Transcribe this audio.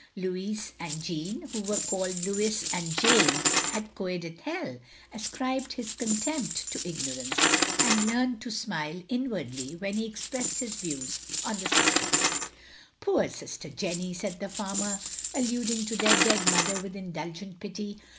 Louis and Jeanne, who were called Lewis and Jane at Coed Ithel, ascribed his contempt to ignorance, and learnt to smile inwardly when he expressed his views on the subject. "Poor sister Jenny," said the farmer, alluding to their dead mother with indulgent pity.